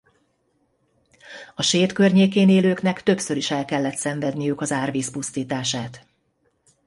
A Séd környékén élőknek többször is el kellett szenvedniük az árvíz pusztítását.